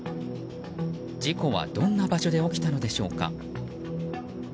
事故はどんな場所で起きたのでしょうか。